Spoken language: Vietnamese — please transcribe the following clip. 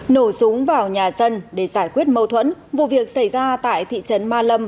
nổ súng vào nhà dân để giải quyết mâu thuẫn vụ việc xảy ra tại thị trấn ma lâm